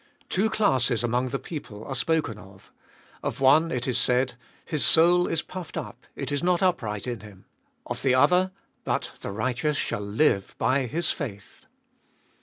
Two classes among the people are spoken of. Of one it is said: His soul is puffed up, it is not upright in him. Of the other : But the righteous shall live by his faith.